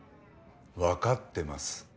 わかってます。